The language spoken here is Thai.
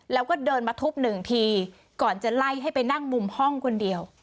แล้วก็เดินมาทุบหนึ่งทีก่อนจะไล่ให้ไปนั่งมุมห้องคนเดียว